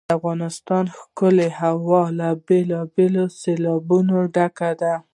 د افغانستان ښکلی هېواد له بېلابېلو سیلابونو ډک دی.